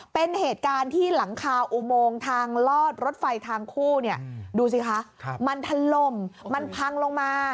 เป็นเหตุการณ์ที่หลังคาอุโมงทางลอดรถไฟทางคู่เนี่ยดูสิคะมันถล่มมันพังลงมา